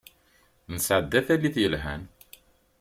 Nesεedda tallit yelhan.